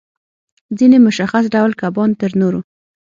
ځینې مشخص ډول کبان تر نورو